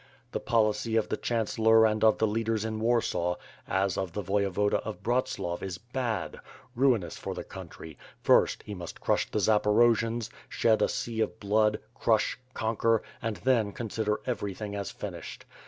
The policy of the chan cellor and of the leaders in Warsaw, as of the Voyevoda of Bratslav is bad — ^ruinous for the country, first, he must crush the Zaporojians, shed a sea of blood, crush, conquer, and then consider everything as finished.